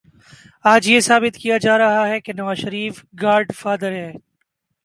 آج یہ ثابت کیا جا رہا ہے کہ نوازشریف گاڈ فادر ہے۔